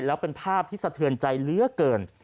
แล้วเป็นภาพที่สะเทือนใจเหลือเกิน